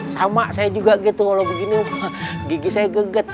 sama saya juga gitu kalau begini gigi saya geget